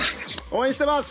応援しています。